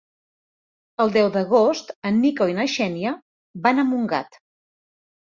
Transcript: El deu d'agost en Nico i na Xènia van a Montgat.